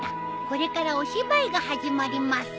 これからお芝居が始まります。